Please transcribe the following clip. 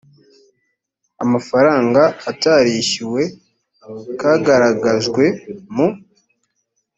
amafaranga itarishyuwe kagaragajwe mu